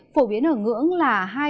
phổ biến ở ngưỡng là hai